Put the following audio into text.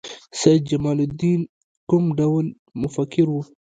سید جمال الدین کوم ډول مفکر و؟